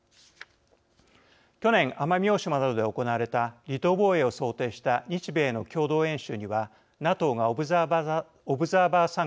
去年奄美大島などで行われた離島防衛を想定した日米の共同演習にはＮＡＴＯがオブザーバー参加しました。